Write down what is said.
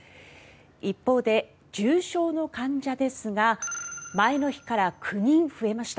一方で、重症の患者ですが前の日から９人増えました。